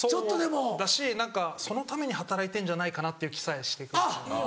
そうだし何かそのために働いてんじゃないかなっていう気さえしてくる。